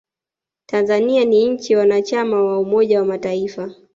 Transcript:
tanzania ni nchi mwanachama wa umoja wa mataifa